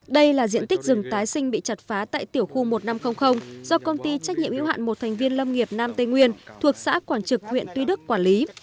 đây là diện tích rừng tái sinh bị chặt phá tại tiểu khu một nghìn năm trăm linh do công ty trách nhiệm hữu hạn một thành viên lâm nghiệp nam tây nguyên thuộc xã quảng trực huyện tuy đức quản lý